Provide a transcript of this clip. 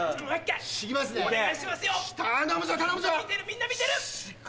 みんな見てる！